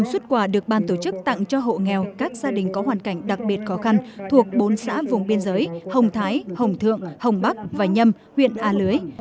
một mươi xuất quà được ban tổ chức tặng cho hộ nghèo các gia đình có hoàn cảnh đặc biệt khó khăn thuộc bốn xã vùng biên giới hồng thái hồng thượng hồng bắc và nhâm huyện a lưới